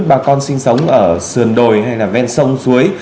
bà con sinh sống ở sườn đồi hay là ven sông suối